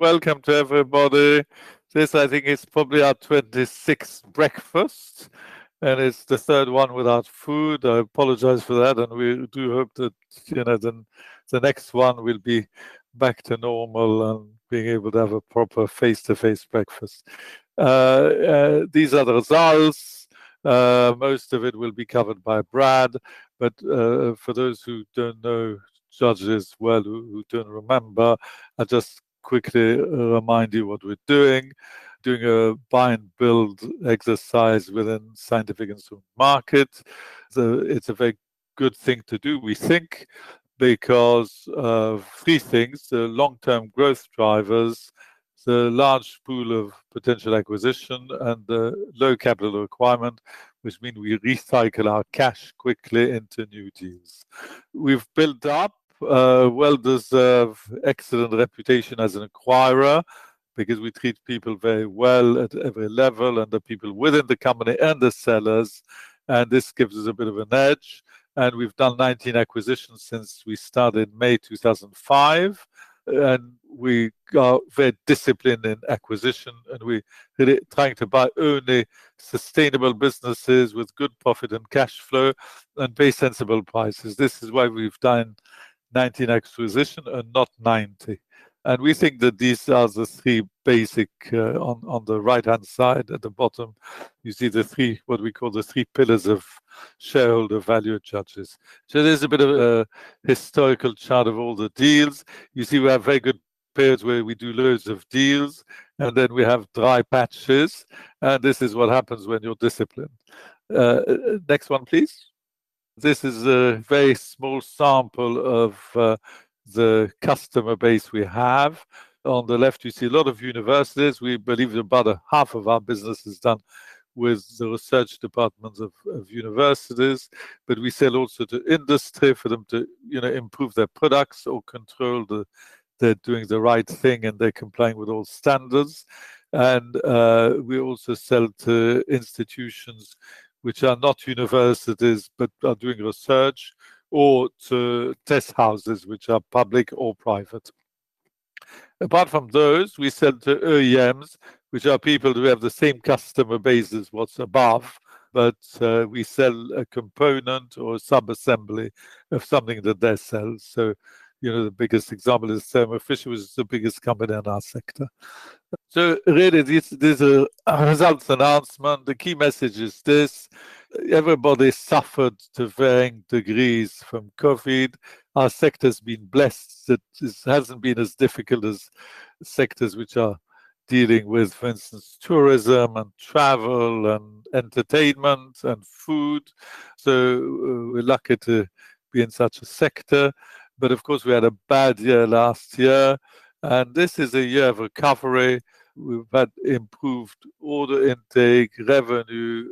Welcome to everybody. This, I think, is probably our 26th breakfast, and it's the third one without food. I apologize for that, and we do hope that, you know, the next one will be back to normal and being able to have a proper face-to-face breakfast. These are the results. Most of it will be covered by Brad, but for those who don't know Judges Scientific well, who don't remember, I'll just quickly remind you what we're doing: doing a buy-and-build exercise within scientific instrument markets. It's a very good thing to do, we think, because of three things: the long-term growth drivers, the large pool of potential acquisition, and the low capital requirement, which means we recycle our cash quickly into new deals. We've built up, well, there's an excellent reputation as an acquirer because we treat people very well at every level, and the people within the company and the sellers, and this gives us a bit of an edge, and we've done 19 acquisitions since we started May 2005, and we are very disciplined in acquisition, and we're trying to buy only sustainable businesses with good profit and cash flow and pay sensible prices. This is why we've done 19 acquisitions and not 90, we think that these are the three basic on the right-hand side. At the bottom, you see the three, what we call the three pillars of shareholder value Judges Scientific, so there's a bit of a historical chart of all the deals. You see, we have very good periods where we do loads of deals, and then we have dry patches, and this is what happens when you're disciplined. Next one, please. This is a very small sample of the customer base we have. On the left, you see a lot of universities. We believe about half of our business is done with the research departments of universities, but we sell also to industry for them to, you know, improve their products or control that they're doing the right thing and they're complying with all standards, and we also sell to institutions which are not universities but are doing research or to test houses which are public or private. Apart from those, we sell to OEMs, which are people who have the same customer base as what's above, but we sell a component or a sub-assembly of something that they sell. So, you know, the biggest example is Thermo Fisher, which is the biggest company in our sector. So really, this is a results announcement. The key message is this: everybody suffered to varying degrees from COVID. Our sector has been blessed that it hasn't been as difficult as sectors which are dealing with, for instance, tourism and travel and entertainment and food. So we're lucky to be in such a sector. But of course, we had a bad year last year, and this is a year of recovery. We've had improved order intake, revenue,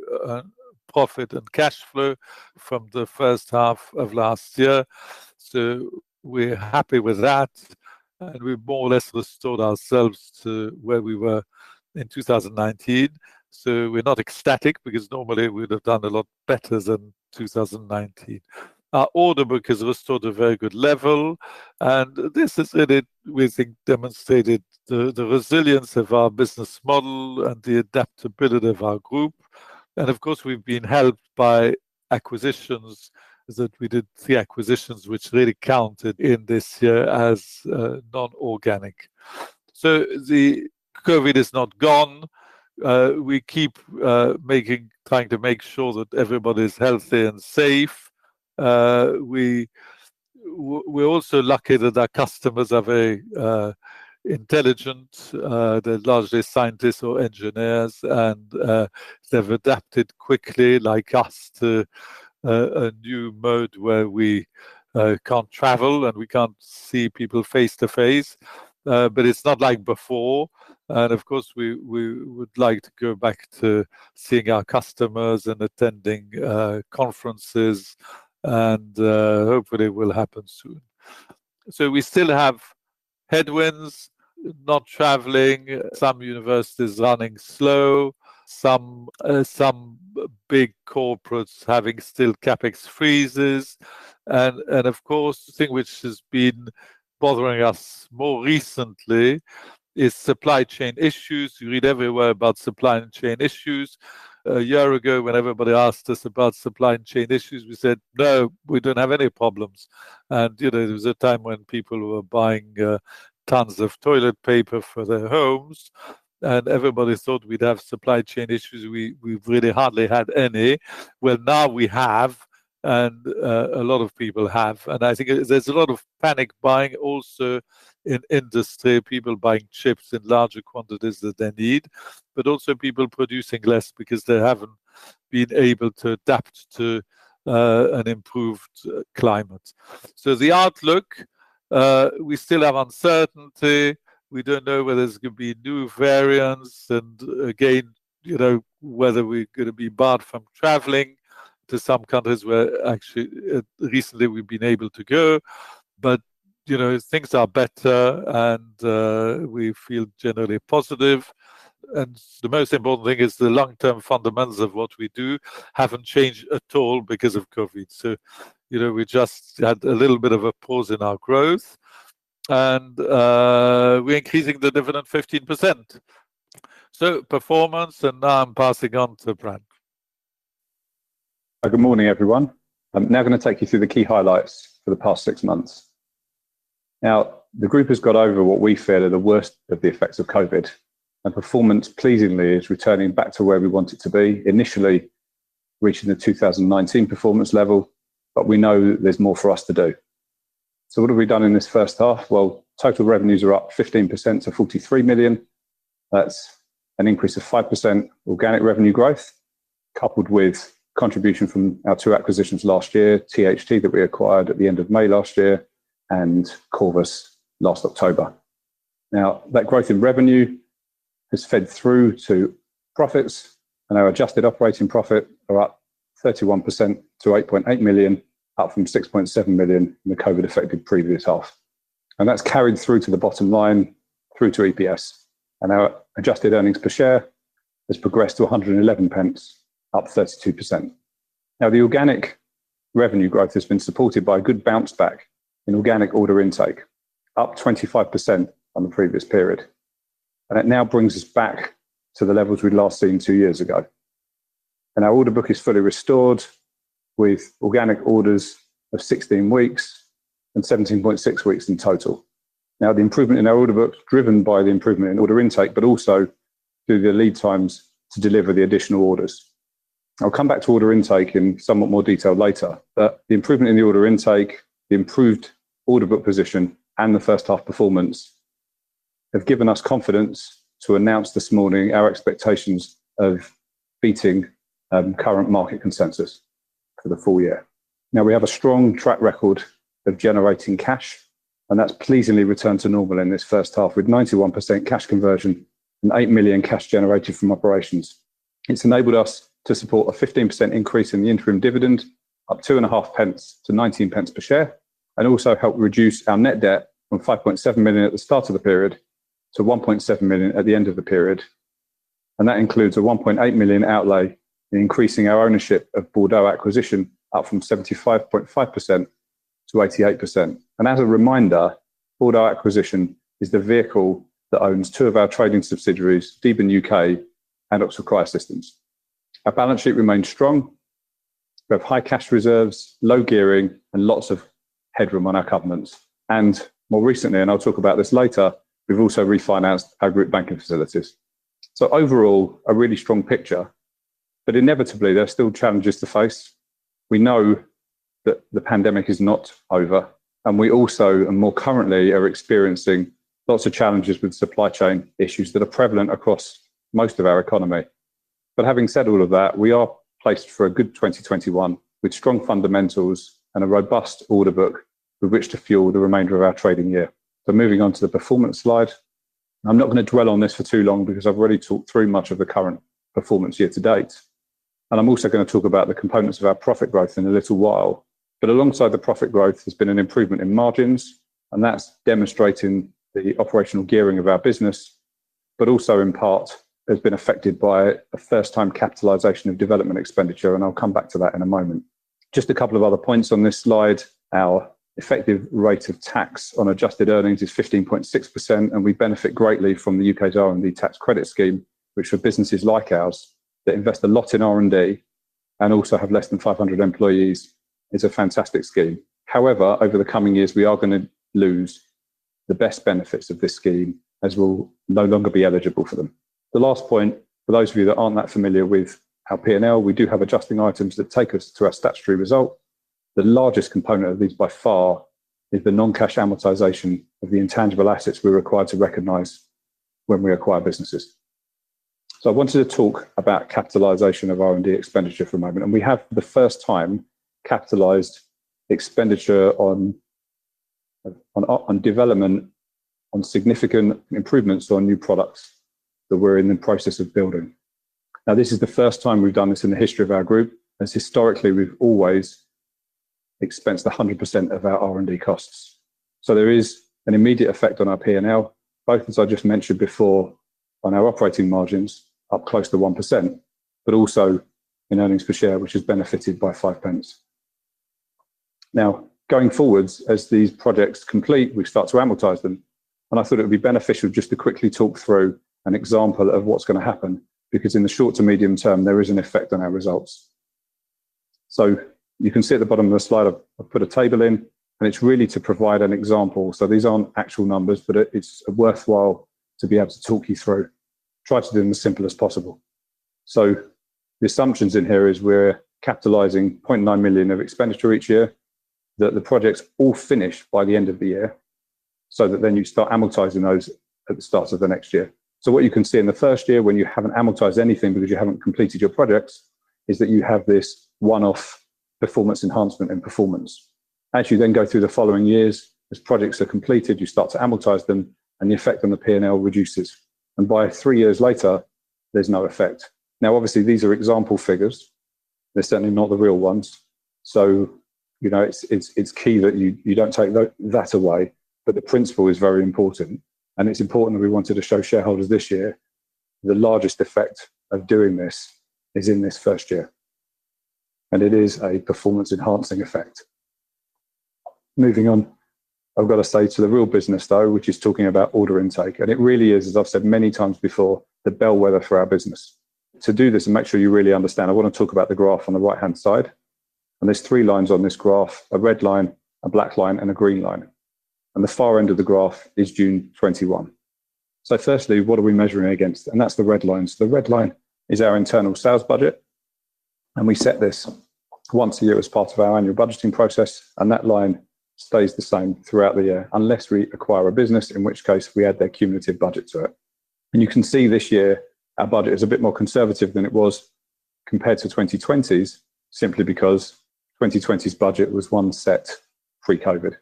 profit, and cash flow from the first half of last year. So we're happy with that, and we've more or less restored ourselves to where we were in 2019. So we're not ecstatic because normally we would have done a lot better than 2019. Our order book has restored a very good level, and this has really, we think, demonstrated the resilience of our business model and the adaptability of our group. And of course, we've been helped by acquisitions that we did, three acquisitions which really counted in this year as non-organic. So the COVID is not gone. We keep trying to make sure that everybody's healthy and safe. We're also lucky that our customers are very intelligent. They're largely scientists or engineers, and they've adapted quickly, like us, to a new mode where we can't travel and we can't see people face to face. But it's not like before. And of course, we would like to go back to seeing our customers and attending conferences, and hopefully it will happen soon. So we still have headwinds, not traveling. Some universities are running slow, some big corporates having still CapEx freezes. Of course, the thing which has been bothering us more recently is supply chain issues. You read everywhere about supply chain issues. A year ago, when everybody asked us about supply chain issues, we said, "No, we don't have any problems." You know, there was a time when people were buying tons of toilet paper for their homes, and everybody thought we'd have supply chain issues. We've really hardly had any. Now we have, and a lot of people have. I think there's a lot of panic buying also in industry, people buying chips in larger quantities that they need, but also people producing less because they haven't been able to adapt to an improved climate. The outlook, we still have uncertainty. We don't know whether there's going to be new variants and, again, you know, whether we're going to be barred from traveling to some countries where actually recently we've been able to go, but you know, things are better, and we feel generally positive, and the most important thing is the long-term fundamentals of what we do haven't changed at all because of COVID, so you know, we just had a little bit of a pause in our growth, and we're increasing the dividend 15%. So performance, and now I'm passing on to Brad. Good morning, everyone. I'm now going to take you through the key highlights for the past six months. Now, the group has got over what we feared are the worst of the effects of COVID, and performance, pleasingly, is returning back to where we want it to be, initially reaching the 2019 performance level, but we know there's more for us to do, so what have we done in this first half, well, total revenues are up 15% to 43 million. That's an increase of 5% organic revenue growth, coupled with contribution from our two acquisitions last year, THT, that we acquired at the end of May last year and Korvus last October. Now, that growth in revenue has fed through to profits, and our adjusted operating profit are up 31% to 8.8 million, up from 6.7 million in the COVID-affected previous half. And that's carried through to the bottom line, through to EPS. And our adjusted earnings per share has progressed to 1.11, up 32%. Now, the organic revenue growth has been supported by a good bounce back in organic order intake, up 25% on the previous period. And it now brings us back to the levels we'd last seen two years ago. And our order book is fully restored with organic orders of 16 weeks and 17.6 weeks in total. Now, the improvement in our order book is driven by the improvement in order intake, but also through the lead times to deliver the additional orders. I'll come back to order intake in somewhat more detail later, but the improvement in the order intake, the improved order book position, and the first half performance have given us confidence to announce this morning our expectations of beating current market consensus for the full year. Now, we have a strong track record of generating cash, and that's pleasingly returned to normal in this first half, with 91% cash conversion and 8 million cash generated from operations. It's enabled us to support a 15% increase in the interim dividend, up 0.025 to 0.19 per share, and also helped reduce our net debt from 5.7 million at the start of the period to 1.7 million at the end of the period. And that includes a 1.8 million outlay in increasing our ownership of Bordeaux Acquisition, up from 75.5% to 88%. As a reminder, Bordeaux Acquisition is the vehicle that owns two of our trading subsidiaries, Deben UK and Oxford Cryosystems. Our balance sheet remains strong. We have high cash reserves, low gearing, and lots of headroom on our covenants. More recently, and I'll talk about this later, we've also refinanced our group banking facilities. Overall, a really strong picture, but inevitably, there are still challenges to face. We know that the pandemic is not over, and we also, and more currently, are experiencing lots of challenges with supply chain issues that are prevalent across most of our economy. But having said all of that, we are placed for a good 2021 with strong fundamentals and a robust order book with which to fuel the remainder of our trading year. Moving on to the performance slide. I'm not going to dwell on this for too long because I've already talked through much of the current performance year to date, and I'm also going to talk about the components of our profit growth in a little while, but alongside the profit growth, there's been an improvement in margins, and that's demonstrating the operational gearing of our business, but also in part has been affected by a first-time capitalization of development expenditure, and I'll come back to that in a moment. Just a couple of other points on this slide. Our effective rate of tax on adjusted earnings is 15.6%, and we benefit greatly from the U.K.'s R&D tax credit scheme, which for businesses like ours that invest a lot in R&D and also have less than 500 employees is a fantastic scheme. However, over the coming years, we are going to lose the best benefits of this scheme as we'll no longer be eligible for them. The last point, for those of you that aren't that familiar with our P&L, we do have adjusting items that take us to our statutory result. The largest component of these by far is the non-cash amortization of the intangible assets we're required to recognize when we acquire businesses. So I wanted to talk about capitalization of R&D expenditure for a moment, and we have for the first time capitalized expenditure on development, on significant improvements or new products that we're in the process of building. Now, this is the first time we've done this in the history of our group, as historically we've always expensed 100% of our R&D costs. So there is an immediate effect on our P&L, both as I just mentioned before, on our operating margins, up close to 1%, but also in earnings per share, which has benefited by 0.05. Now, going forwards, as these projects complete, we start to amortize them, and I thought it would be beneficial just to quickly talk through an example of what's going to happen because in the short to medium-term, there is an effect on our results. So you can see at the bottom of the slide, I've put a table in, and it's really to provide an example. So these aren't actual numbers, but it's worthwhile to be able to talk you through, try to do them as simple as possible. So the assumptions in here is we're capitalizing 0.9 million of expenditure each year, that the projects all finish by the end of the year, so that then you start amortizing those at the start of the next year. So what you can see in the first year when you haven't amortized anything because you haven't completed your projects is that you have this one-off performance enhancement. As you then go through the following years, as projects are completed, you start to amortize them, and the effect on the P&L reduces, and by three years later, there's no effect. Now, obviously, these are example figures. They're certainly not the real ones. So, you know, it's key that you don't take that away, but the principle is very important. And it's important that we wanted to show shareholders this year the largest effect of doing this is in this first year. And it is a performance enhancing effect. Moving on, I've got to say to the real business, though, which is talking about order intake, and it really is, as I've said many times before, the bellwether for our business. To do this and make sure you really understand, I want to talk about the graph on the right-hand side. And there's three lines on this graph, a red line, a black line, and a green line. And the far end of the graph is June 21. So firstly, what are we measuring against? And that's the red lines. The red line is our internal sales budget, and we set this once a year as part of our annual budgeting process, and that line stays the same throughout the year unless we acquire a business, in which case we add their cumulative budget to it. And you can see this year our budget is a bit more conservative than it was compared to 2020's, simply because 2020's budget was one set pre-COVID.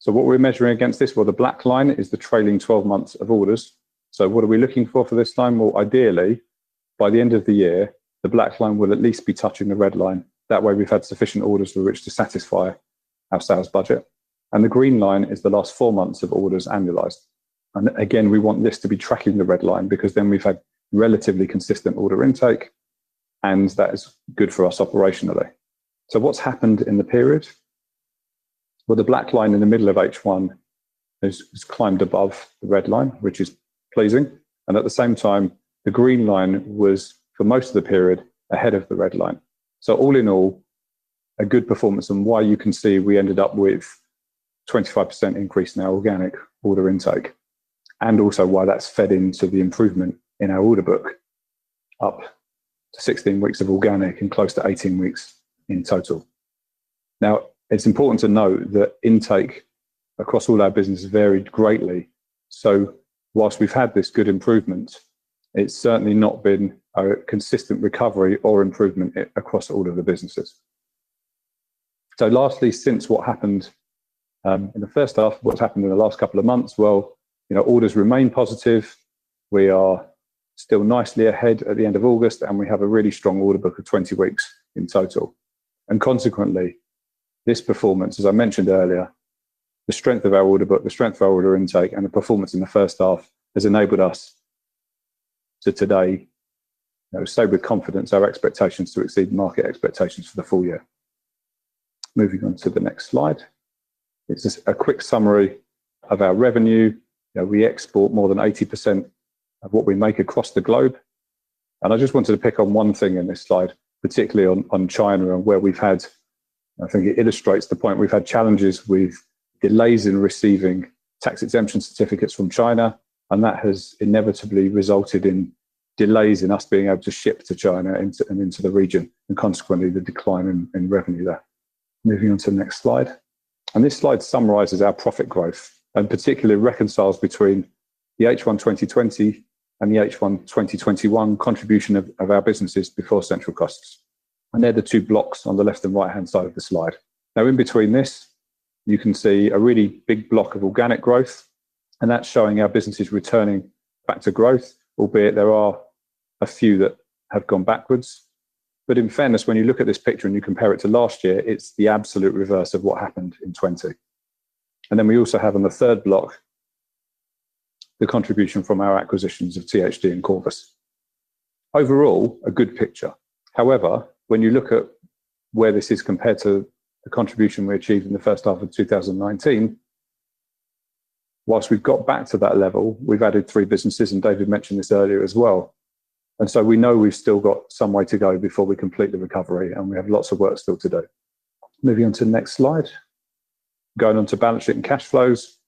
So what we're measuring against this, well, the black line is the trailing 12 months of orders. So what are we looking for this time? Well, ideally, by the end of the year, the black line will at least be touching the red line. That way we've had sufficient orders for which to satisfy our sales budget. And the green line is the last four months of orders annualized. And again, we want this to be tracking the red line because then we've had relatively consistent order intake, and that is good for us operationally. So what's happened in the period? Well, the black line in the middle of H1 has climbed above the red line, which is pleasing. And at the same time, the green line was for most of the period ahead of the red line. So all in all, a good performance and why you can see we ended up with a 25% increase in our organic order intake, and also why that's fed into the improvement in our order book, up to 16 weeks of organic and close to 18 weeks in total. Now, it's important to note that intake across all our businesses varied greatly. So whilst we've had this good improvement, it's certainly not been a consistent recovery or improvement across all of the businesses. So lastly, since what happened in the first half, what's happened in the last couple of months? Well, you know, orders remain positive. We are still nicely ahead at the end of August, and we have a really strong order book of 20 weeks in total. And consequently, this performance, as I mentioned earlier, the strength of our order book, the strength of our order intake, and the performance in the first half has enabled us to today show with confidence our expectations to exceed market expectations for the full year. Moving on to the next slide. It's a quick summary of our revenue. We export more than 80% of what we make across the globe. I just wanted to pick on one thing in this slide, particularly on China and where we've had. I think it illustrates the point. We've had challenges with delays in receiving tax exemption certificates from China, and that has inevitably resulted in delays in us being able to ship to China and into the region, and consequently, the decline in revenue there. Moving on to the next slide. This slide summarizes our profit growth and particularly reconciles between the H1 2020 and the H1 2021 contribution of our businesses before central costs. They're the two blocks on the left and right-hand side of the slide. Now, in between this, you can see a really big block of organic growth, and that's showing our businesses returning back to growth, albeit there are a few that have gone backwards. But in fairness, when you look at this picture and you compare it to last year, it's the absolute reverse of what happened in 2020. And then we also have on the third block the contribution from our acquisitions of THT and Korvus. Overall, a good picture. However, when you look at where this is compared to the contribution we achieved in the first half of 2019, whilst we've got back to that level, we've added three businesses, and David mentioned this earlier as well. And so we know we've still got some way to go before we complete the recovery, and we have lots of work still to do. Moving on to the next slide. Going on to balance sheet and cash flows.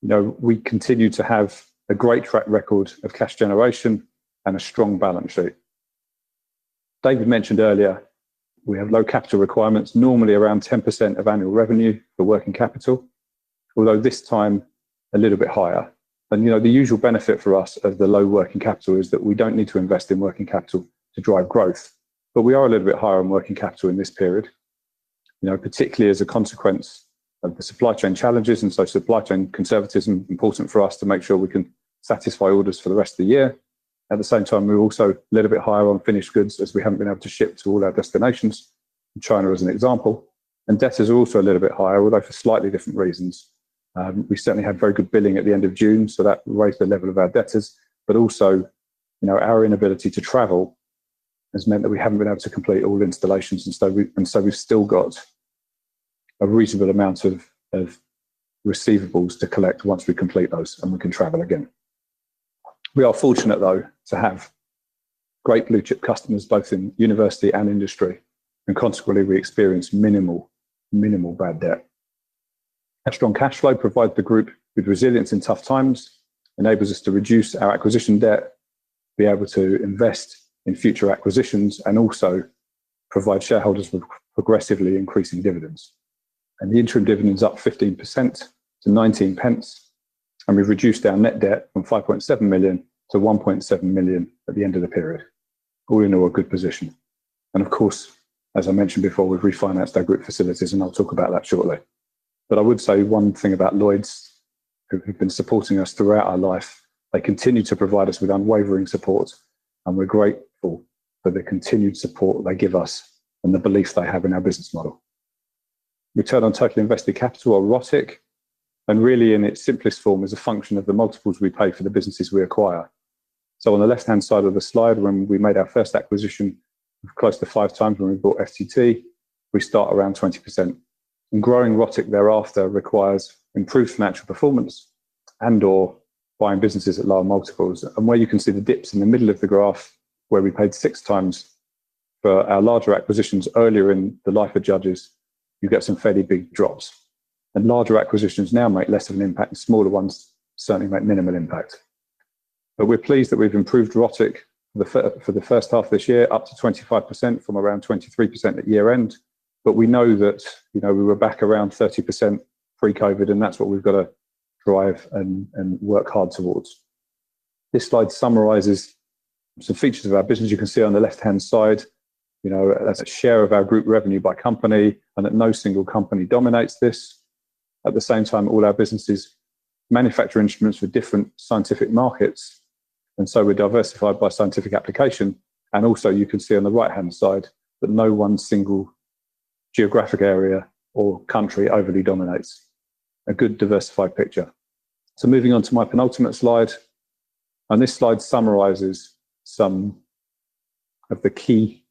You know, we continue to have a great track record of cash generation and a strong balance sheet. David mentioned earlier, we have low capital requirements, normally around 10% of annual revenue for working capital, although this time a little bit higher, and you know, the usual benefit for us of the low working capital is that we don't need to invest in working capital to drive growth, but we are a little bit higher on working capital in this period, you know, particularly as a consequence of the supply chain challenges, and so supply chain conservatism is important for us to make sure we can satisfy orders for the rest of the year. At the same time, we're also a little bit higher on finished goods as we haven't been able to ship to all our destinations, China as an example, and debtors are also a little bit higher, although for slightly different reasons. We certainly have very good billing at the end of June, so that raised the level of our debtors. But also, you know, our inability to travel has meant that we haven't been able to complete all installations, and so we've still got a reasonable amount of receivables to collect once we complete those, and we can travel again. We are fortunate, though, to have great blue chip customers both in university and industry, and consequently, we experience minimal, minimal bad debt. Our strong cash flow provides the group with resilience in tough times, enables us to reduce our acquisition debt, be able to invest in future acquisitions, and also provide shareholders with progressively increasing dividends, and the interim dividend is up 15% to 0.19, and we've reduced our net debt from 5.7 million to 1.7 million at the end of the period. All in all, a good position. Of course, as I mentioned before, we've refinanced our group facilities, and I'll talk about that shortly. But I would say one thing about Lloyds, who have been supporting us throughout our life. They continue to provide us with unwavering support, and we're grateful for the continued support they give us and the belief they have in our business model. We turn to total invested capital or ROTIC, and really in its simplest form is a function of the multiples we pay for the businesses we acquire. So on the left-hand side of the slide, when we made our first acquisition, we closed at five times when we bought FTT. We started around 20%. And growing ROTIC thereafter requires improved financial performance and/or buying businesses at lower multiples. Where you can see the dips in the middle of the graph, where we paid six times for our larger acquisitions earlier in the life of Judges Scientific, you get some fairly big drops. Larger acquisitions now make less of an impact, and smaller ones certainly make minimal impact. We're pleased that we've improved ROTIC for the first half of this year up to 25% from around 23% at year-end. We know that, you know, we were back around 30% pre-COVID, and that's what we've got to drive and work hard towards. This slide summarizes some features of our business. You can see on the left-hand side, you know, that's a share of our group revenue by company, and that no single company dominates this. At the same time, all our businesses manufacture instruments for different scientific markets, and so we're diversified by scientific application. And also, you can see on the right-hand side that no one single geographic area or country overly dominates. A good diversified picture. So moving on to my penultimate slide. And this slide summarizes some of the key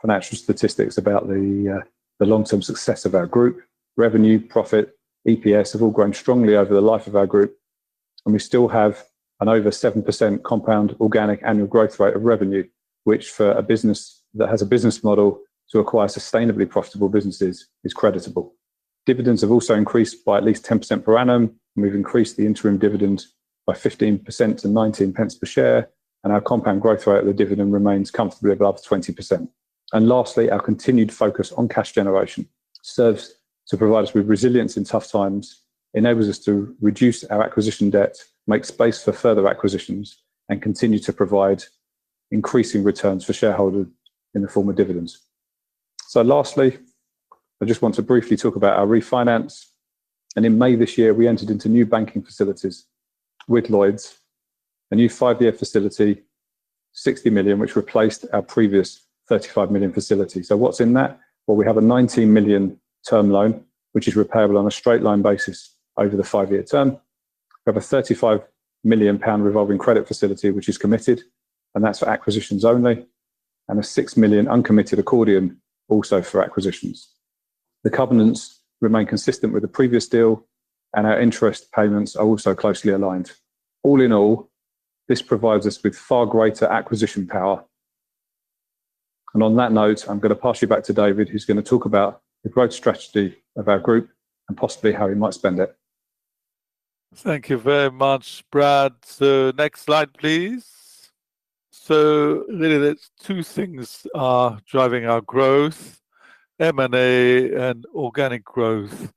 financial statistics about the long-term success of our group. Revenue, profit, EPS have all grown strongly over the life of our group, and we still have an over 7% compound organic annual growth rate of revenue, which for a business that has a business model to acquire sustainably profitable businesses is creditable. Dividends have also increased by at least 10% per annum, and we've increased the interim dividend by 15% to 0.19 per share, and our compound growth rate of the dividend remains comfortably above 20%. Lastly, our continued focus on cash generation serves to provide us with resilience in tough times, enables us to reduce our acquisition debt, make space for further acquisitions, and continue to provide increasing returns for shareholders in the form of dividends. Lastly, I just want to briefly talk about our refinance. In May this year, we entered into new banking facilities with Lloyds, a new five-year facility, 60 million, which replaced our previous 35 million facility. What's in that? We have a 19 million term loan, which is repayable on a straight line basis over the five-year term. We have a 35 million pound revolving credit facility, which is committed, and that's for acquisitions only, and a 6 million uncommitted accordion also for acquisitions. The covenants remain consistent with the previous deal, and our interest payments are also closely aligned. All in all, this provides us with far greater acquisition power. And on that note, I'm going to pass you back to David, who's going to talk about the growth strategy of our group and possibly how he might spend it. Thank you very much, Brad. So next slide, please. So really, there's two things driving our growth: M&A and organic growth.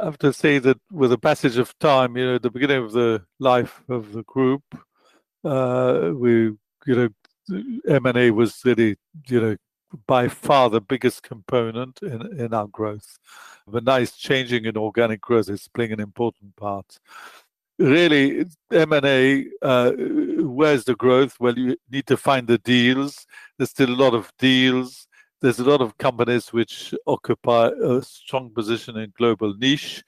I have to say that with the passage of time, you know, at the beginning of the life of the group, we, you know, M&A was really, you know, by far the biggest component in our growth. But now it's changing, and organic growth is playing an important part. Really, M&A. Where's the growth? Well, you need to find the deals. There's still a lot of deals. There's a lot of companies which occupy a strong position in global niche.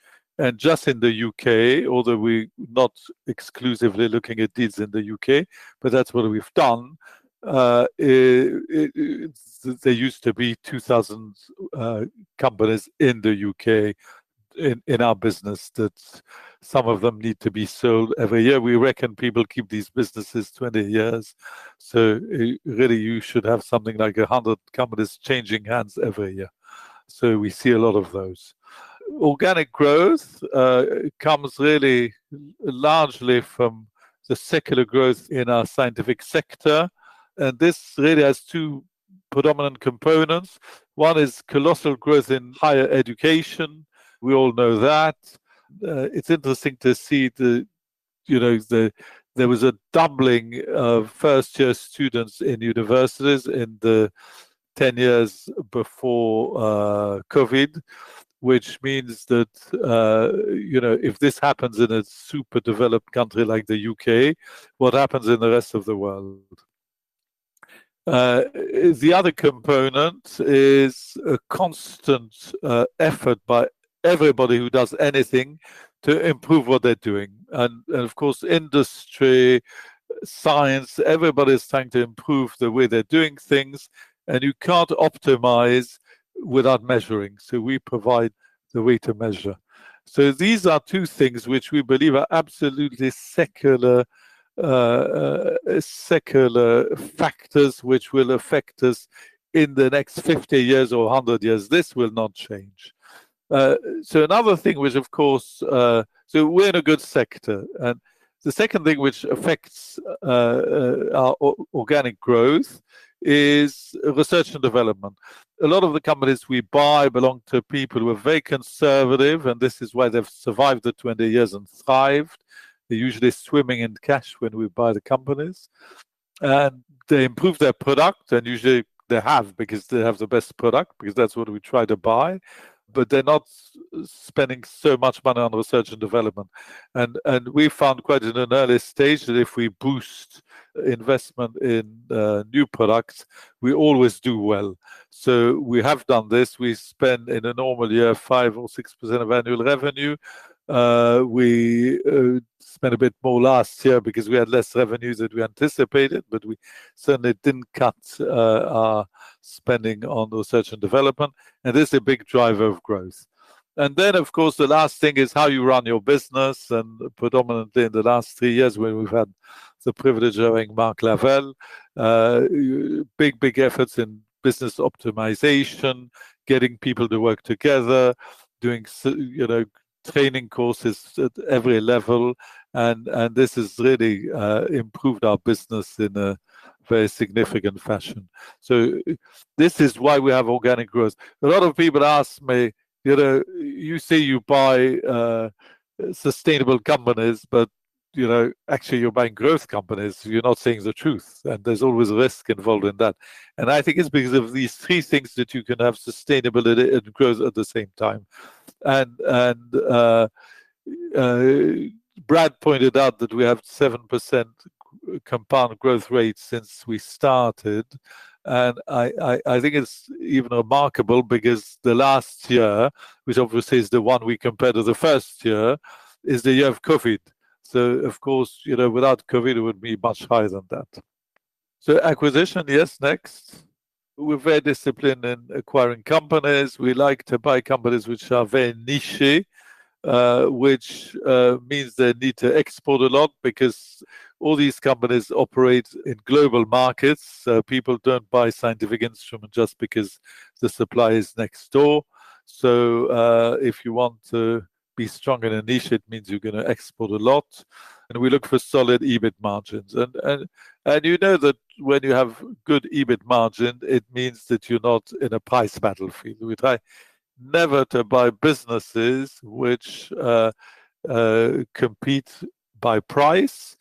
Just in the U.K., although we're not exclusively looking at deals in the U.K., but that's what we've done. There used to be 2,000 companies in the U.K. in our business that some of them need to be sold every year. We reckon people keep these businesses 20 years. So really, you should have something like 100 companies changing hands every year. So we see a lot of those. Organic growth comes really largely from the secular growth in our scientific sector. And this really has two predominant components. One is colossal growth in higher education. We all know that. It's interesting to see the, you know, there was a doubling of first-year students in universities in the 10 years before COVID, which means that, you know, if this happens in a super developed country like the U.K., what happens in the rest of the world? The other component is a constant effort by everybody who does anything to improve what they're doing, and of course, industry, science, everybody is trying to improve the way they're doing things, and you can't optimize without measuring, so we provide the way to measure, so these are two things which we believe are absolutely secular factors which will affect us in the next 50 years or 100 years, this will not change, so another thing which, of course, so we're in a good sector, and the second thing which affects our organic growth is research and development. A lot of the companies we buy belong to people who are very conservative, and this is why they've survived the 20 years and thrived. They're usually swimming in cash when we buy the companies. And they improve their product, and usually they have because they have the best product, because that's what we try to buy. But they're not spending so much money on research and development. And we found quite at an early stage that if we boost investment in new products, we always do well. So we have done this. We spend in a normal year 5% or 6% of annual revenue. We spent a bit more last year because we had less revenue than we anticipated, but we certainly didn't cut our spending on research and development. And this is a big driver of growth. And then, of course, the last thing is how you run your business. Predominantly in the last three years, when we've had the privilege of having Mark Lavelle, big, big efforts in business optimization, getting people to work together, doing, you know, training courses at every level. This has really improved our business in a very significant fashion. This is why we have organic growth. A lot of people ask me, you know, you say you buy sustainable companies, but you know, actually you're buying growth companies. You're not seeing the truth. There's always a risk involved in that. I think it's because of these three things that you can have sustainability and growth at the same time. Brad pointed out that we have 7% compound growth rate since we started. I think it's even remarkable because the last year, which obviously is the one we compared to the first year, is the year of COVID. So, of course, you know, without COVID, it would be much higher than that. So, acquisition, yes, next. We're very disciplined in acquiring companies. We like to buy companies which are very niche, which means they need to export a lot because all these companies operate in global markets. So, people don't buy scientific instruments just because the supply is next door. So, if you want to be strong in a niche, it means you're going to export a lot. And we look for solid EBIT margins. And you know that when you have good EBIT margin, it means that you're not in a price battlefield. We try never to buy businesses which compete by price.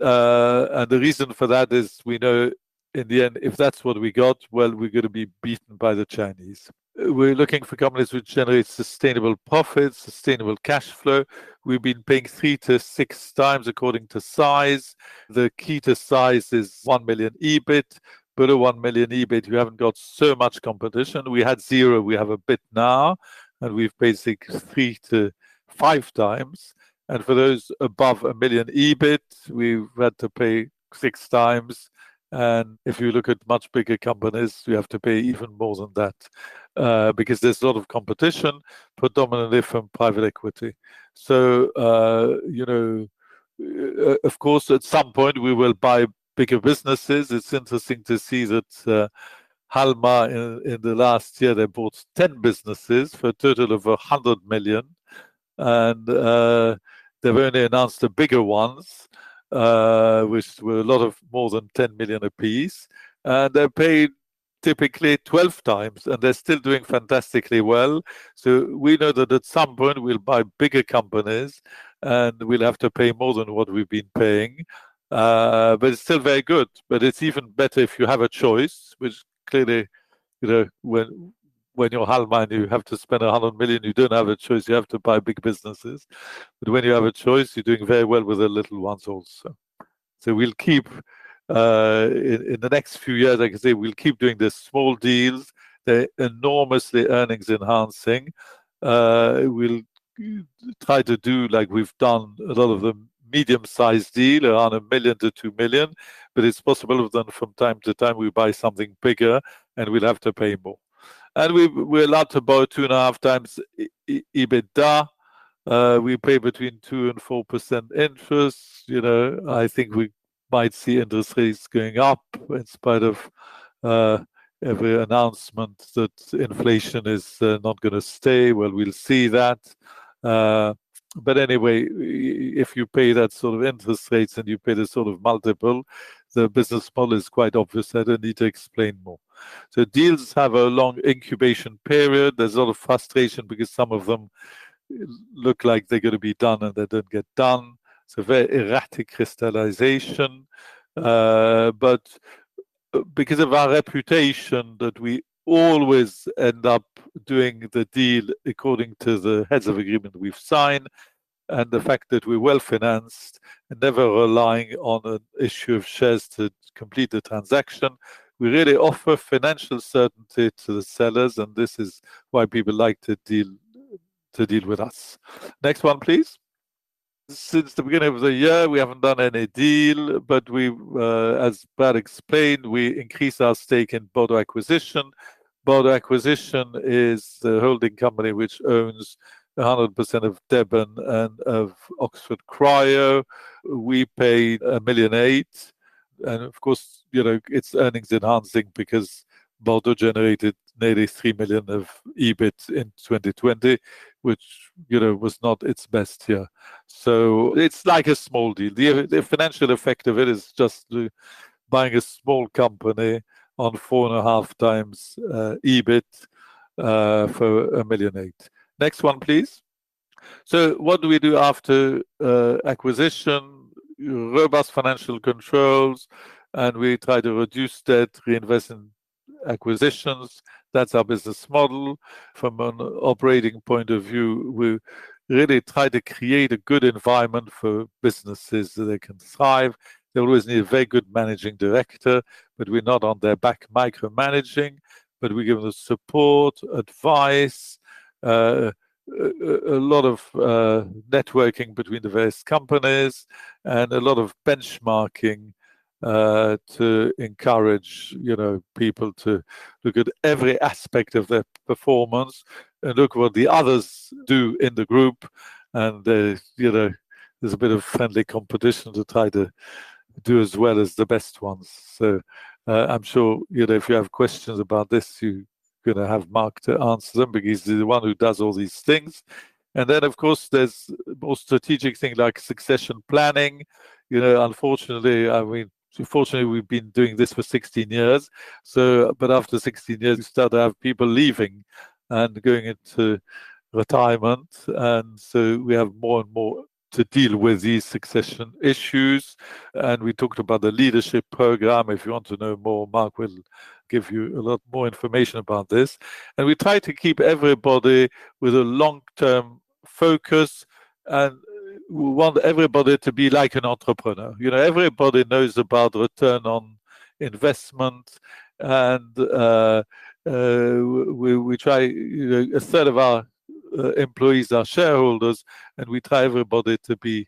And the reason for that is we know in the end, if that's what we got, well, we're going to be beaten by the Chinese. We're looking for companies which generate sustainable profits, sustainable cash flow. We've been paying three to six times according to size. The key to size is one million EBIT. Below one million EBIT, you haven't got so much competition. We had zero. We have a bit now, and we've paid three to five times. And for those above a million EBIT, we've had to pay six times. And if you look at much bigger companies, you have to pay even more than that because there's a lot of competition, predominantly from private equity. So, you know, of course, at some point, we will buy bigger businesses. It's interesting to see that Halma, in the last year, they bought 10 businesses for a total of 100 million. And they've only announced the bigger ones, which were a lot more than 10 million a piece. And they're paid typically 12 times, and they're still doing fantastically well. So we know that at some point, we'll buy bigger companies, and we'll have to pay more than what we've been paying. But it's still very good. But it's even better if you have a choice, which clearly, you know, when you're Halma and you have to spend 100 million, you don't have a choice. You have to buy big businesses. But when you have a choice, you're doing very well with the little ones also. So we'll keep, in the next few years, I can say we'll keep doing the small deals. They're enormously earnings-enhancing. We'll try to do, like we've done, a lot of the medium-sized deal around 1 million-2 million. But it's possible that from time to time, we buy something bigger, and we'll have to pay more. We're allowed to borrow two and a half times EBITDA. We pay between 2% and 4% interest. You know, I think we might see interest rates going up in spite of every announcement that inflation is not going to stay. Well, we'll see that. But anyway, if you pay that sort of interest rates and you pay the sort of multiple, the business model is quite obvious. I don't need to explain more. So deals have a long incubation period. There's a lot of frustration because some of them look like they're going to be done and they don't get done. It's a very erratic crystallization. But because of our reputation that we always end up doing the deal according to the heads of agreement we've signed and the fact that we're well-financed and never relying on an issue of shares to complete the transaction, we really offer financial certainty to the sellers. And this is why people like to deal with us. Next one, please. Since the beginning of the year, we haven't done any deal. But we, as Brad explained, we increase our stake in Bordeaux Acquisition. Bordeaux Acquisition is the holding company which owns 100% of Deben UK and of Oxford Cryosystems. We pay 1.8 million. And of course, you know, it's earnings-enhancing because Bordeaux generated nearly 3 million of EBIT in 2020, which, you know, was not its best year. So it's like a small deal. The financial effect of it is just buying a small company on four and a half times EBIT for 1.8 million. Next one, please. So what do we do after acquisition? Robust financial controls. And we try to reduce debt, reinvest in acquisitions. That's our business model. From an operating point of view, we really try to create a good environment for businesses that they can thrive. They always need a very good managing director, but we're not on their back micromanaging. But we give them the support, advice, a lot of networking between the various companies, and a lot of benchmarking to encourage, you know, people to look at every aspect of their performance and look at what the others do in the group. And there's, you know, a bit of friendly competition to try to do as well as the best ones. So I'm sure, you know, if you have questions about this, you're going to have Mark to answer them because he's the one who does all these things. And then, of course, there's more strategic things like succession planning. You know, unfortunately, I mean, fortunately, we've been doing this for 16 years. So, but after 16 years, we start to have people leaving and going into retirement. And so we have more and more to deal with these succession issues. And we talked about the leadership program. If you want to know more, Mark will give you a lot more information about this. And we try to keep everybody with a long-term focus. And we want everybody to be like an entrepreneur. You know, everybody knows about return on investment. And we try, you know, a third of our employees are shareholders. We try everybody to be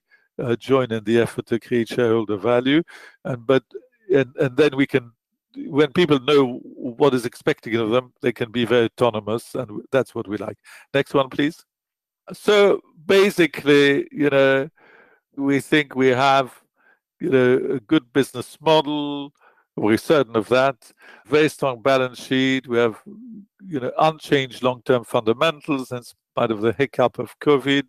joining the effort to create shareholder value. But then we can, when people know what is expected of them, they can be very autonomous. That's what we like. Next one, please. Basically, you know, we think we have, you know, a good business model. We're certain of that. Very strong balance sheet. We have, you know, unchanged long-term fundamentals in spite of the hiccup of COVID,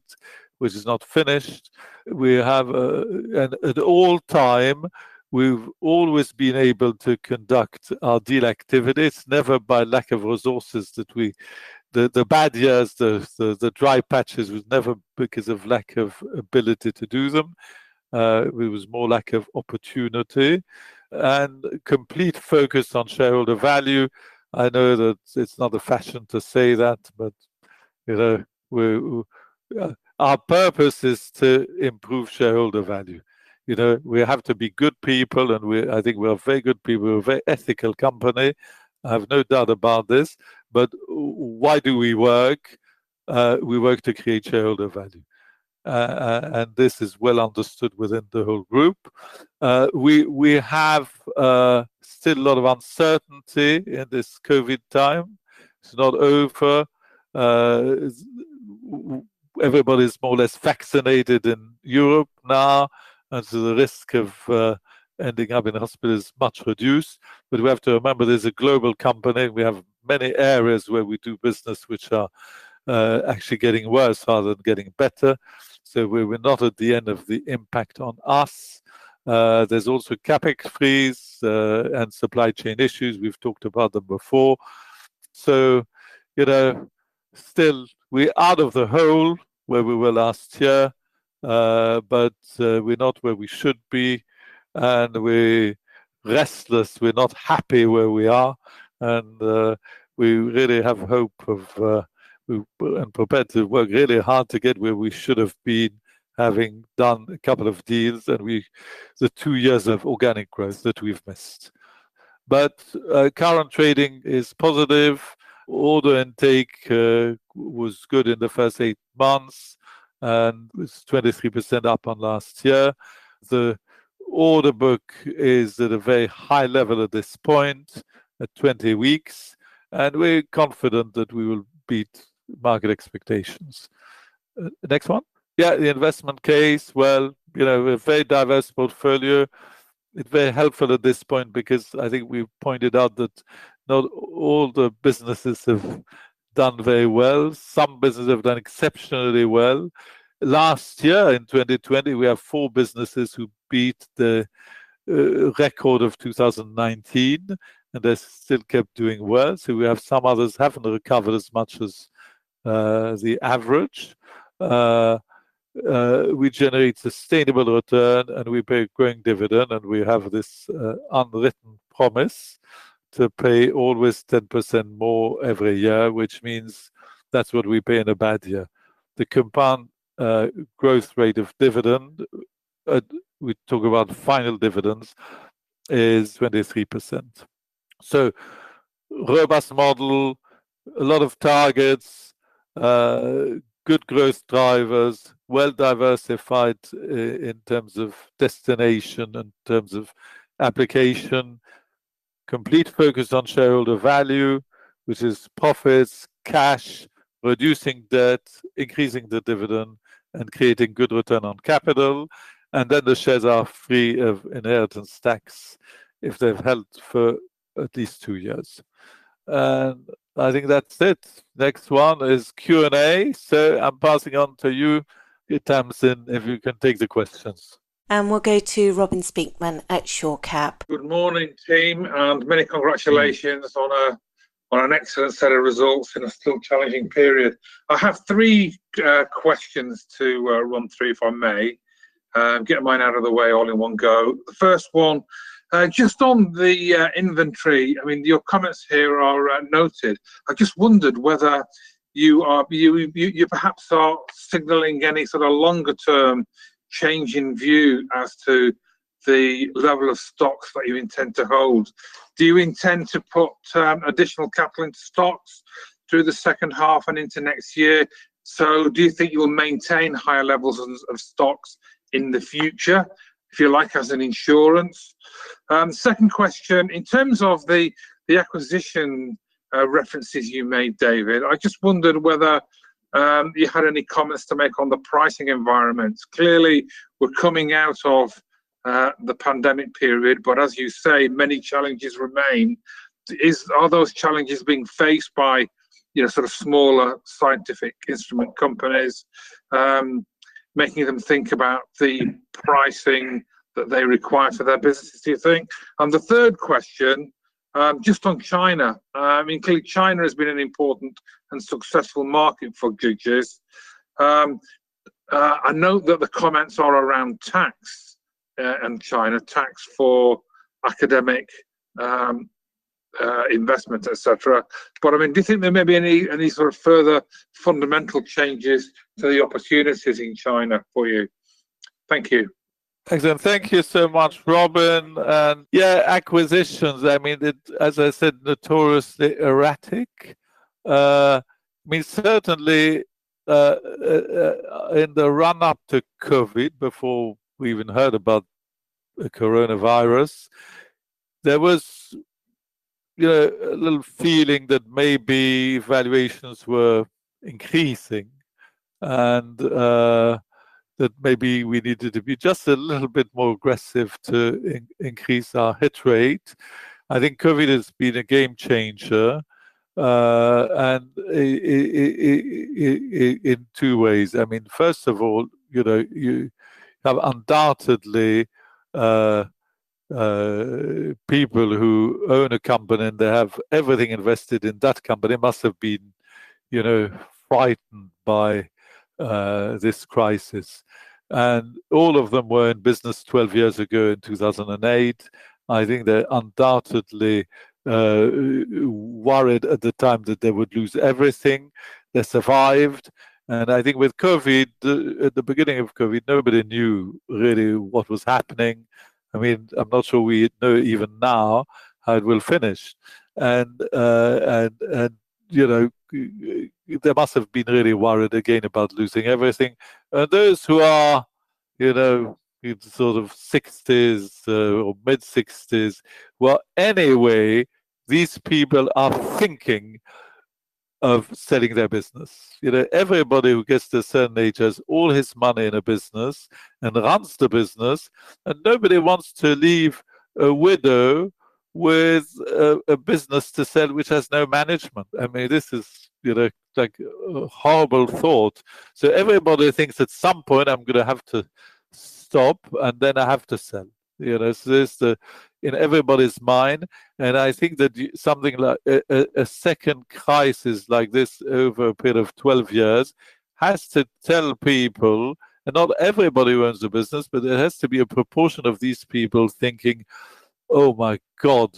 which is not finished. We have, at all time, we've always been able to conduct our deal activities, never by lack of resources, the bad years, the dry patches, was never because of lack of ability to do them. It was more lack of opportunity. Complete focus on shareholder value. I know that it's not a fashion to say that, but, you know, our purpose is to improve shareholder value. You know, we have to be good people, and we, I think we're very good people. We're a very ethical company. I have no doubt about this, but why do we work? We work to create shareholder value, and this is well understood within the whole group. We have still a lot of uncertainty in this COVID time. It's not over. Everybody's more or less vaccinated in Europe now, and so the risk of ending up in hospital is much reduced, but we have to remember, we're a global company. We have many areas where we do business which are actually getting worse rather than getting better, so we're not at the end of the impact on us. There's also CapEx freeze and supply chain issues. We've talked about them before, so you know, still, we're out of the hole where we were last year. But we're not where we should be. And we're restless. We're not happy where we are. And we really have hope of, and prepared to work really hard to get where we should have been having done a couple of deals. And we, the two years of organic growth that we've missed. But current trading is positive. Order intake was good in the first eight months. And it's 23% up on last year. The order book is at a very high level at this point, at 20 weeks. And we're confident that we will beat market expectations. Next one. Yeah, the investment case. Well, you know, we have a very diverse portfolio. It's very helpful at this point because I think we pointed out that not all the businesses have done very well. Some businesses have done exceptionally well. Last year, in 2020, we have four businesses who beat the record of 2019. And they still kept doing well. So we have some others haven't recovered as much as the average. We generate sustainable return. And we pay a growing dividend. And we have this unwritten promise to pay always 10% more every year, which means that's what we pay in a bad year. The compound growth rate of dividend, we talk about final dividends, is 23%. So robust model, a lot of targets, good growth drivers, well-diversified in terms of destination, in terms of application, complete focus on shareholder value, which is profits, cash, reducing debt, increasing the dividend, and creating good return on capital. And then the shares are free of inheritance tax if they've held for at least two years. And I think that's it. Next one is Q&A. So I'm passing on to you. Tamsin if you can take the questions. We'll go to Robin Speakman at Shore Capital. Good morning, team. Many congratulations on an excellent set of results in a still challenging period. I have three questions to run through, if I may. I'm getting mine out of the way all in one go. The first one, just on the inventory, I mean, your comments here are noted. I just wondered whether you perhaps are signaling any sort of longer-term change in view as to the level of stocks that you intend to hold. Do you intend to put additional capital into stocks through the second half and into next year? So do you think you will maintain higher levels of stocks in the future, if you like, as in insurance? Second question, in terms of the acquisition references you made, David, I just wondered whether you had any comments to make on the pricing environment. Clearly, we're coming out of the pandemic period. But as you say, many challenges remain. Are those challenges being faced by, you know, sort of smaller scientific instrument companies, making them think about the pricing that they require for their businesses, do you think? And the third question, just on China, I mean, China has been an important and successful market for us. I note that the comments are around tax and China, tax for academic investment, etc. But I mean, do you think there may be any sort of further fundamental changes to the opportunities in China for you? Thank you. Thanks. And thank you so much, Robin. And yeah, acquisitions, I mean, as I said, notoriously erratic. I mean, certainly in the run-up to COVID, before we even heard about the coronavirus, there was, you know, a little feeling that maybe valuations were increasing and that maybe we needed to be just a little bit more aggressive to increase our hit rate. I think COVID has been a game changer in two ways. I mean, first of all, you know, you have undoubtedly people who own a company and they have everything invested in that company must have been, you know, frightened by this crisis. And all of them were in business 12 years ago in 2008. I think they're undoubtedly worried at the time that they would lose everything. They survived. And I think with COVID, at the beginning of COVID, nobody knew really what was happening. I mean, I'm not sure we know even now how it will finish. You know, they must have been really worried again about losing everything. Those who are, you know, in sort of 60s or mid-60s, well, anyway, these people are thinking of selling their business. You know, everybody who gets to a certain age has all his money in a business and runs the business. Nobody wants to leave a widow with a business to sell which has no management. I mean, this is, you know, like a horrible thought. Everybody thinks at some point I'm going to have to stop and then I have to sell. You know, so there's the, in everybody's mind. I think that something like a second crisis like this over a period of 12 years has to tell people, and not everybody owns a business, but there has to be a proportion of these people thinking, "Oh my God,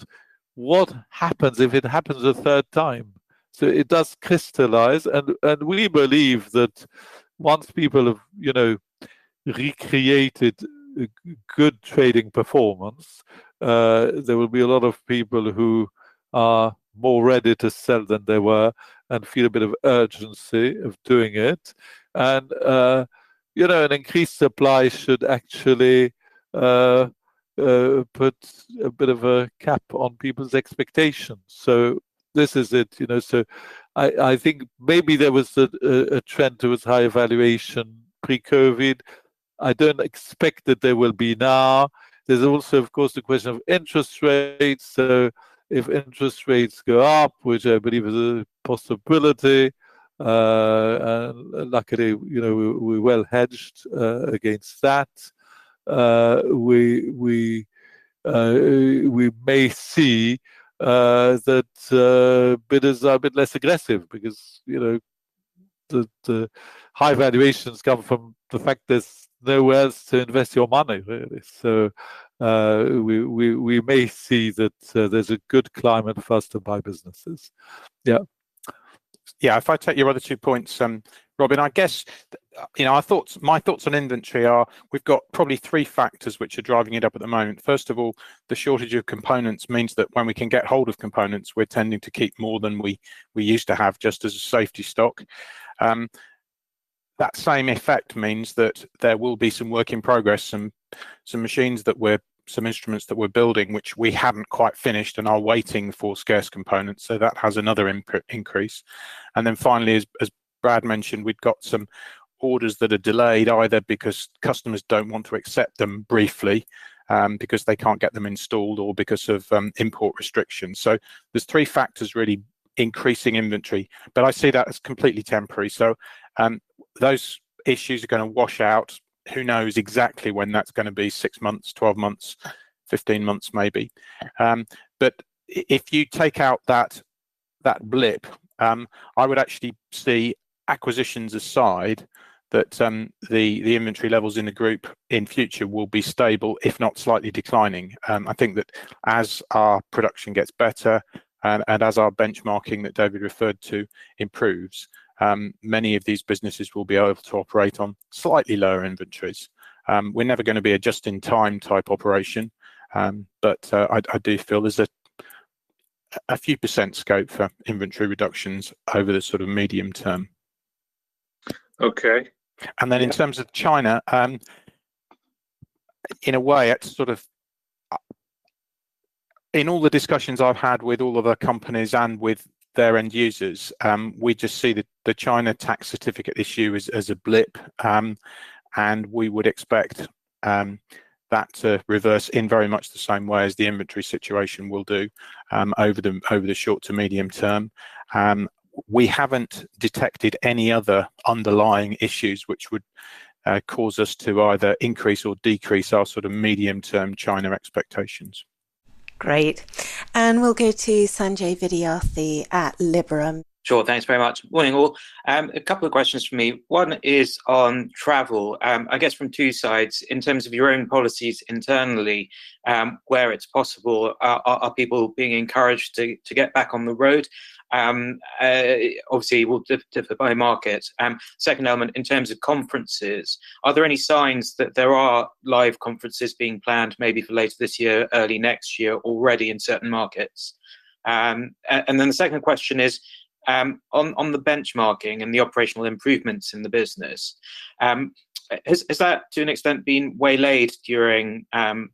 what happens if it happens a third time?" It does crystallize. We believe that once people have, you know, recreated good trading performance, there will be a lot of people who are more ready to sell than they were and feel a bit of urgency of doing it. You know, an increased supply should actually put a bit of a cap on people's expectations. This is it, you know. I think maybe there was a trend towards higher valuation pre-COVID. I don't expect that there will be now. There's also, of course, the question of interest rates. So if interest rates go up, which I believe is a possibility, and luckily, you know, we're well hedged against that, we may see that bidders are a bit less aggressive because, you know, the high valuations come from the fact there's nowhere else to invest your money, really. So we may see that there's a good climate faster by businesses. Yeah. Yeah, if I take your other two points, Robin, I guess, you know, my thoughts on inventory are, we've got probably three factors which are driving it up at the moment. First of all, the shortage of components means that when we can get hold of components, we're tending to keep more than we used to have just as a safety stock. That same effect means that there will be some work in progress, some machines that we're, some instruments that we're building, which we haven't quite finished and are waiting for scarce components. So that has another increase. And then finally, as Brad mentioned, we've got some orders that are delayed either because customers don't want to accept them briefly because they can't get them installed or because of import restrictions. So there's three factors really increasing inventory. But I see that as completely temporary. So those issues are going to wash out. Who knows exactly when that's going to be? Six months, 12 months, 15 months, maybe. But if you take out that blip, I would actually see acquisitions aside that the inventory levels in the group in future will be stable, if not slightly declining. I think that as our production gets better and as our benchmarking that David referred to improves, many of these businesses will be able to operate on slightly lower inventories. We're never going to be a just-in-time type operation. But I do feel there's a few percent scope for inventory reductions over the sort of medium-term. Okay. And then in terms of China, in a way, it's sort of in all the discussions I've had with all of our companies and with their end users, we just see the China tax certificate issue as a blip. And we would expect that to reverse in very much the same way as the inventory situation will do over the short to medium-term. We haven't detected any other underlying issues which would cause us to either increase or decrease our sort of medium-term China expectations. Great. And we'll go to Sanjay Vidyarthi at Liberum. Sure. Thanks very much. Morning all. A couple of questions for me. One is on travel. I guess from two sides, in terms of your own policies internally, where it's possible, are people being encouraged to get back on the road? Obviously, it will differ by market. Second element, in terms of conferences, are there any signs that there are live conferences being planned maybe for later this year, early next year already in certain markets? And then the second question is on the benchmarking and the operational improvements in the business. Has that, to an extent, been waylaid during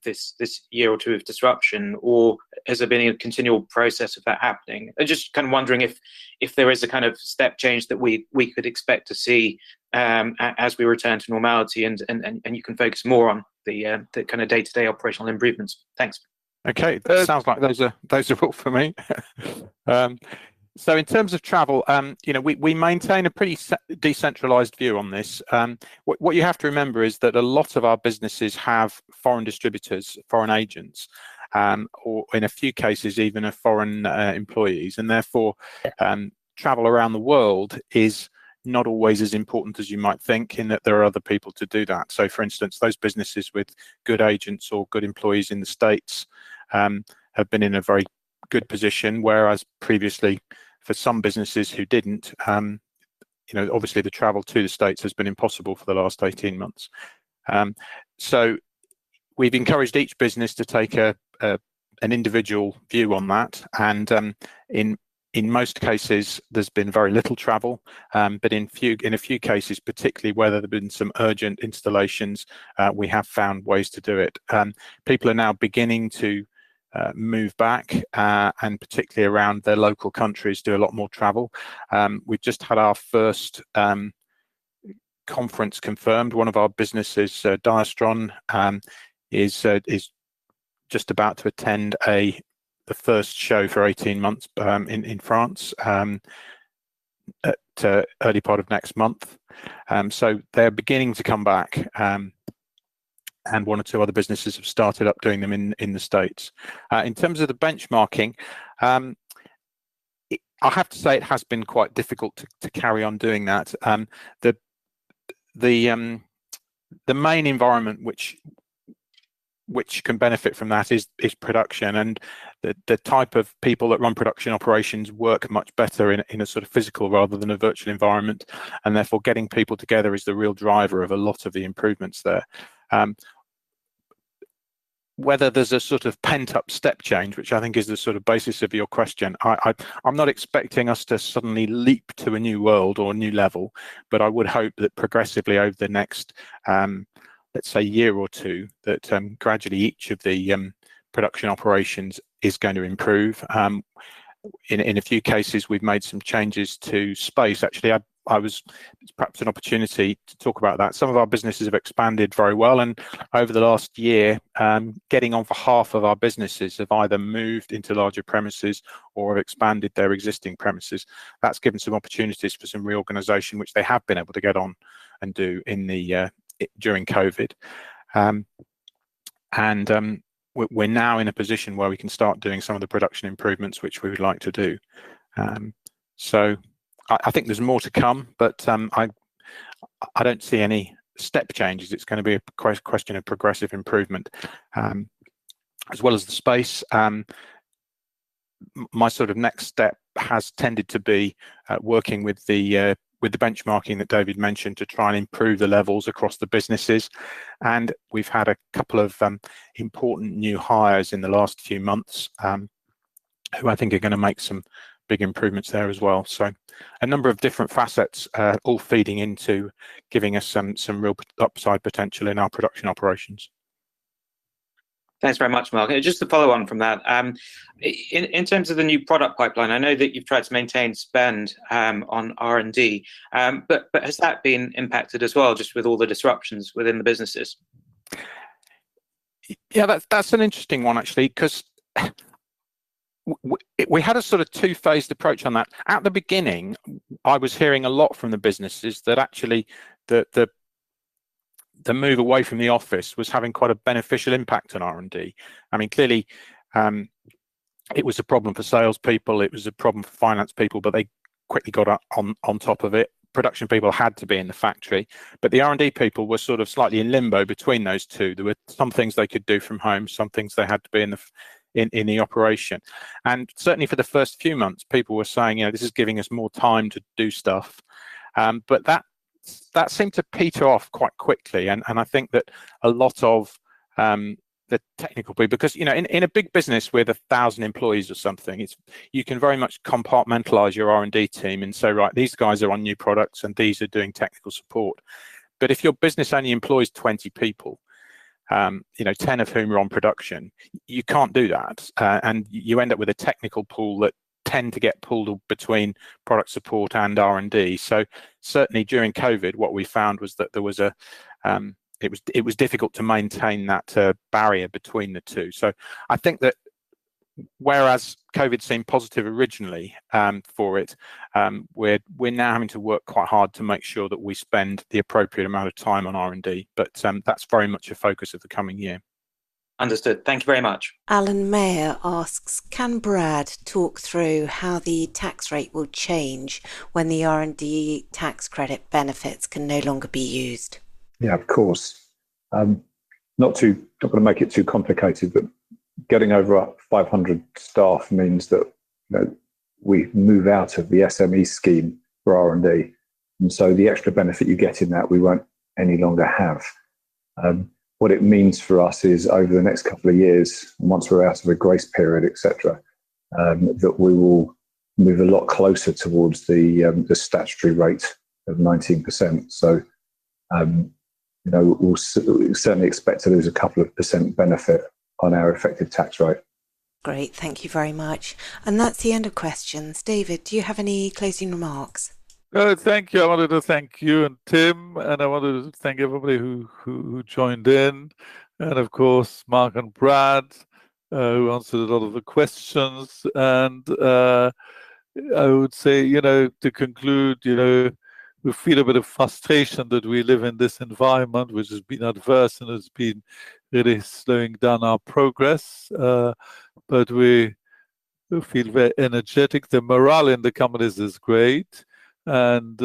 this year or two of disruption, or has there been a continual process of that happening? I'm just kind of wondering if there is a kind of step change that we could expect to see as we return to normality and you can focus more on the kind of day-to-day operational improvements. Thanks. Okay. That sounds like those are all for me. So in terms of travel, you know, we maintain a pretty decentralized view on this. What you have to remember is that a lot of our businesses have foreign distributors, foreign agents, or in a few cases, even foreign employees. And therefore, travel around the world is not always as important as you might think in that there are other people to do that. So for instance, those businesses with good agents or good employees in the States have been in a very good position, whereas previously, for some businesses who didn't, you know, obviously, the travel to the States has been impossible for the last 18 months. So we've encouraged each business to take an individual view on that. And in most cases, there's been very little travel. But in a few cases, particularly where there have been some urgent installations, we have found ways to do it. People are now beginning to move back and particularly around their local countries do a lot more travel. We've just had our first conference confirmed. One of our businesses, Dia-Stron, is just about to attend the first show for 18 months in France at the early part of next month. So they're beginning to come back. One or two other businesses have started up doing them in the States. In terms of the benchmarking, I have to say it has been quite difficult to carry on doing that. The main environment which can benefit from that is production. The type of people that run production operations work much better in a sort of physical rather than a virtual environment. Therefore, getting people together is the real driver of a lot of the improvements there. Whether there's a sort of pent-up step change, which I think is the sort of basis of your question, I'm not expecting us to suddenly leap to a new world or a new level. I would hope that progressively over the next, let's say, year or two, that gradually each of the production operations is going to improve. In a few cases, we've made some changes to space. Actually, it's perhaps an opportunity to talk about that. Some of our businesses have expanded very well, and over the last year, getting on for half of our businesses have either moved into larger premises or have expanded their existing premises. That's given some opportunities for some reorganization, which they have been able to get on and do during COVID, and we're now in a position where we can start doing some of the production improvements, which we would like to do. So I think there's more to come, but I don't see any step changes. It's going to be a question of progressive improvement. As well as the space, my sort of next step has tended to be working with the benchmarking that David mentioned to try and improve the levels across the businesses. We've had a couple of important new hires in the last few months who I think are going to make some big improvements there as well. A number of different facets are all feeding into giving us some real upside potential in our production operations. Thanks very much, Mark. Just to follow on from that, in terms of the new product pipeline, I know that you've tried to maintain spend on R&D. But has that been impacted as well just with all the disruptions within the businesses? Yeah, that's an interesting one, actually, because we had a sort of two-phased approach on that. At the beginning, I was hearing a lot from the businesses that actually the move away from the office was having quite a beneficial impact on R&D. I mean, clearly, it was a problem for salespeople. It was a problem for finance people. But they quickly got on top of it. Production people had to be in the factory. But the R&D people were sort of slightly in limbo between those two. There were some things they could do from home, some things they had to be in the operation. And certainly, for the first few months, people were saying, "This is giving us more time to do stuff." But that seemed to peter off quite quickly. And I think that a lot of the technical people, because in a big business with 1,000 employees or something, you can very much compartmentalize your R&D team and say, "Right, these guys are on new products and these are doing technical support." But if your business only employs 20 people, 10 of whom are on production, you can't do that. You end up with a technical pool that tends to get pulled between product support and R&D. Certainly, during COVID, what we found was that it was difficult to maintain that barrier between the two. I think that whereas COVID seemed positive originally for it, we're now having to work quite hard to make sure that we spend the appropriate amount of time on R&D. That's very much a focus of the coming year. Understood. Thank you very much. Alan Mayer asks, "Can Brad talk through how the tax rate will change when the R&D tax credit benefits can no longer be used?" Yeah, of course. Not to make it too complicated, but getting over 500 staff means that we move out of the SME scheme for R&D. So the extra benefit you get in that, we won't any longer have. What it means for us is over the next couple of years, once we're out of a grace period, etc., that we will move a lot closer towards the statutory rate of 19%. So we'll certainly expect to lose a couple of percent benefit on our effective tax rate. Great. Thank you very much. And that's the end of questions. David, do you have any closing remarks? Thank you. I wanted to thank you and Tim. And I wanted to thank everybody who joined in. And of course, Mark and Brad, who answered a lot of the questions. And I would say, to conclude, we feel a bit of frustration that we live in this environment, which has been adverse and has been really slowing down our progress. But we feel very energetic. The morale in the companies is great. And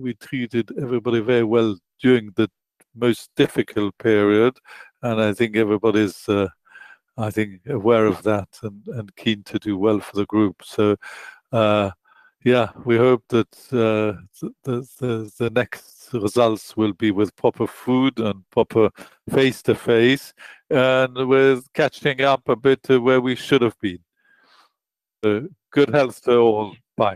we treated everybody very well during the most difficult period. And I think everybody's, I think, aware of that and keen to do well for the group. So yeah, we hope that the next results will be with proper food and proper face-to-face and with catching up a bit to where we should have been. Good health to all. Bye.